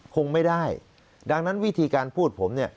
คงไม่ได้ดังนั้นวิธีการพูดผมเนี่ย